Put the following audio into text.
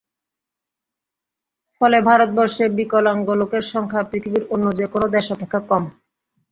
ফলে ভারতবর্ষে বিকলাঙ্গ লোকের সংখ্যা পৃথিবীর অন্য যে-কোন দেশ অপেক্ষা কম।